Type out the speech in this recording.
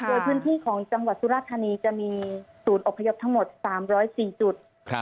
โดยพื้นที่ของจังหวัดสุราธานีจะมีศูนย์อบพยพทั้งหมด๓๐๔จุด